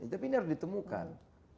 jadi ini harus ditemukan